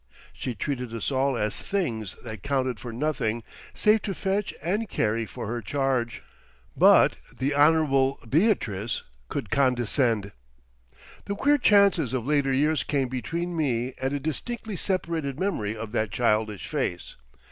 She treated us all as things that counted for nothing save to fetch and carry for her charge. But the Honourable Beatrice could condescend. The queer chances of later years come between me and a distinctly separated memory of that childish face.